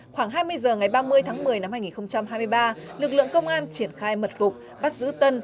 khoảng hai mươi h ngày ba mươi tháng một mươi năm hai nghìn hai mươi ba lực lượng công an triển khai mật phục bắt giữ tân